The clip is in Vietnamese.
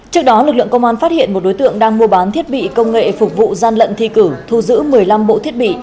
trước đó lực lượng công an phát hiện một đối tượng đang mua bán thiết bị công nghệ phục vụ gian lận thi cử thu giữ một mươi năm bộ thiết bị